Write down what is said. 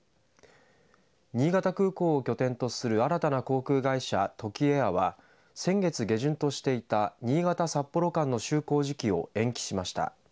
新潟空港を拠点とする新たな航空会社トキエアは先月下旬としていた新潟・札幌間の就航時期を延期しました。